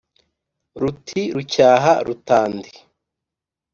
Ruti rucyaha Rutandi